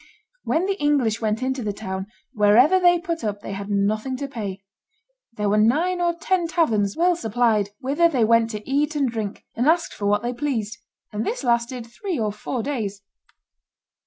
When the English went into the town, wherever they put up they had nothing to pay; there were nine or ten taverns, well supplied, whither they went to eat and drink, and asked for what they pleased. And this lasted three or four days."